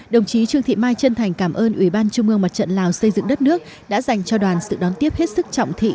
đồng chí trương thị mai chân thành cảm ơn ủy ban trung mương mặt trận lào xây dựng đất nước đã dành cho đoàn sự đón tiếp hết sức trọng thị